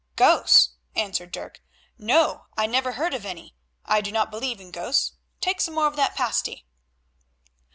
"Ghosts!" answered Dirk, "no, I never heard of any; I do not believe in ghosts. Take some more of that pasty."